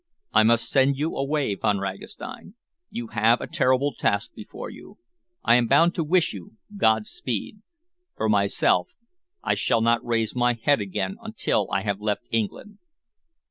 I must send you away, Von Ragastein. You have a terrible task before you. I am bound to wish you Godspeed. For myself I shall not raise my head again until I have left England."